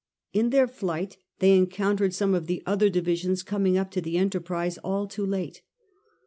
, In their flight they encountered some of the other divisions coming up to the enterprise all too late.